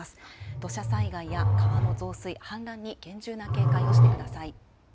土砂災害や川の増水、氾濫に厳重な警戒をしてください。